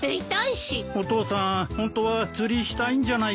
お父さんホントは釣りしたいんじゃないかな。